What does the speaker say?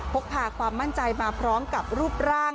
พกพาความมั่นใจมาพร้อมกับรูปร่าง